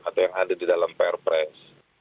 atau yang hadir di dalam perpres